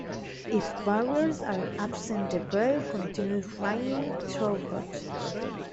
If barriers are absent the bell continues ringing throughout.